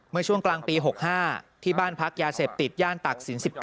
เมื่อช่วงกลางปี๖๕ที่บ้านพักยาเสพติดย่านตักศิลป๑๙